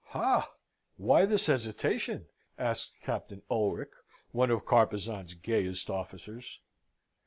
"Ha! why this hesitation?" asks Captain Ulric, one of Carpezan's gayest officers.